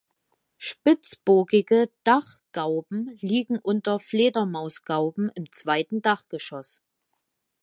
Spitzbogige Dachgauben liegen unter Fledermausgauben im zweiten Dachgeschoss.